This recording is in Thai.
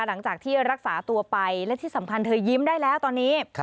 หลังจากที่รักษาตัวไปและที่สำคัญเธอยิ้มได้แล้วตอนนี้